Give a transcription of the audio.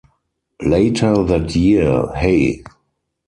Later that year, Hey!